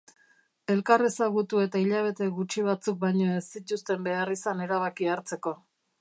Elkar ezagutu eta hilabete gutxi batzuk baino ez zituzten behar izan erabakia hartzeko.